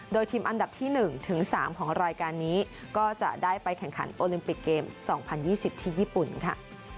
โดยทีมอันดับที่๑ถึง๓ของรายการนี้ก็จะได้ไปแข่งขันโอลิมปิกเกม๒๐๒๐ที่ญี่ปุ่นค่ะ